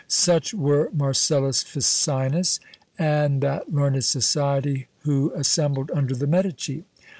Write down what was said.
Such were Marcellus Ficinus, and that learned society who assembled under the Medici.